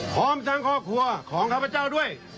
พร้อมทั้งครอบครัวของข้าพเจ้าด้วย